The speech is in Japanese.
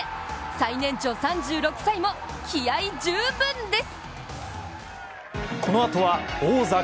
最年長３６歳も気合い十分です！